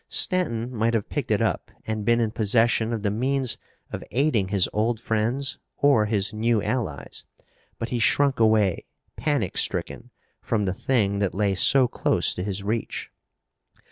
Stanton might have picked it up and been in possession of the means of aiding his old friends or his new allies. But he shrunk away, panic stricken, from the thing that lay so close to his reach.